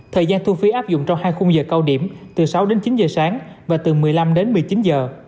thời gian thu phí áp dụng trong hai khung giờ cao điểm từ sáu đến chín giờ sáng và từ một mươi năm đến một mươi chín giờ